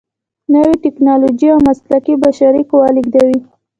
نوې ټیکنالوجې او مسلکي بشري قوه لیږدوي.